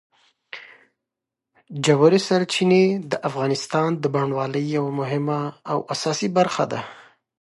ژورې سرچینې د افغانستان د بڼوالۍ یوه مهمه او اساسي برخه ده.